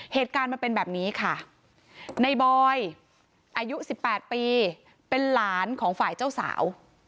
เหตุการณ์มันเป็นแบบนี้ค่ะในบอยอายุ๑๘ปีเป็นหลานของฝ่ายเจ้าสาว